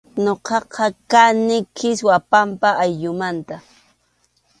Ñuqaqa kani Kiswarpampa ayllumanta.